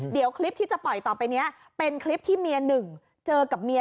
เดี๋ยวคลิปที่จะปล่อยต่อไปนี้เป็นคลิปที่เมียหนึ่งเจอกับเมีย